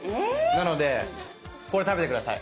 なのでこれ食べて下さい。